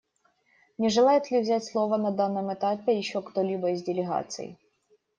Не желает ли взять слово на данном этапе еще кто-либо из делегаций?